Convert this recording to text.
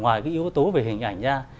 ngoài cái yếu tố về hình ảnh nha